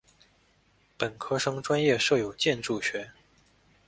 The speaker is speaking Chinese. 本科生专业设有建筑学。